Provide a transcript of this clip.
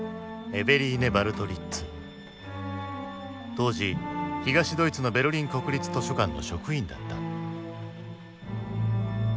当時東ドイツのベルリン国立図書館の職員だった。